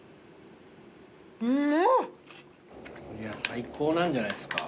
最高なんじゃないですか。